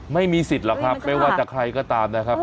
ไม่มีสิทธิ์หรอกครับไม่ว่าจะใครก็ตามนะครับ